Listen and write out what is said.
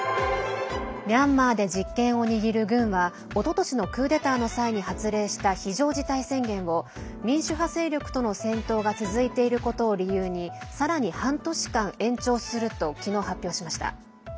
ミャンマーで実権を握る軍はおととしのクーデターの際に発令した非常事態宣言を民主派勢力との戦闘が続いていることを理由にさらに半年間延長すると昨日、発表しました。